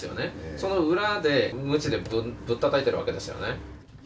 その裏で、むちでぶったたいているわけですよね。